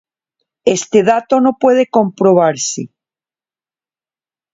Este dato no puede comprobarse.